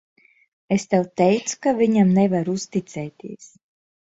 Es tev teicu, ka viņam nevar uzticēties.